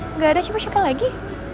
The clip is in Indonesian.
nggak ada siapa siapa lagi